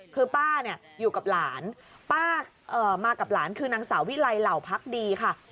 คือป้าเนี่ยอยู่กับหลานป้ามากับหลานคือนางสาววิไลเหล่าพักดีค่ะ